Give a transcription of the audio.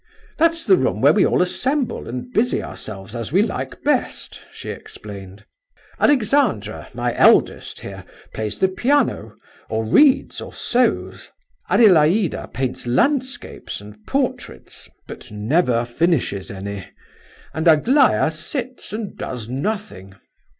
That's the room where we all assemble and busy ourselves as we like best," she explained. "Alexandra, my eldest, here, plays the piano, or reads or sews; Adelaida paints landscapes and portraits (but never finishes any); and Aglaya sits and does nothing.